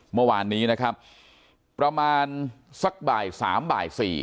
เมื่อวานนี้นะครับประมาณสักบ่ายสามบ่ายสี่